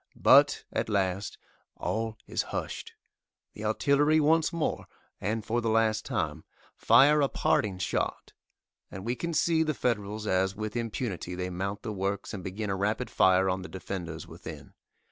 But, at last, all is hushed! The artillery once more, and for the last time, fire a parting shot, and we can see the Federals as with impunity they mount the works and begin a rapid fire on the defenders within.